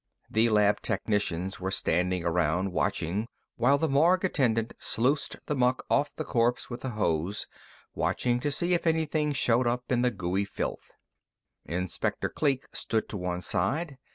The lab technicians were standing around watching while the morgue attendant sluiced the muck off the corpse with a hose, watching to see if anything showed up in the gooey filth. Inspector Kleek stood to one side.